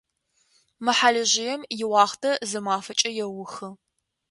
Мы хьалыжъыем иуахътэ зы мафэкӏэ еухы.